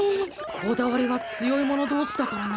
こだわりが強い者どうしだからな。